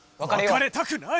わかれたくない！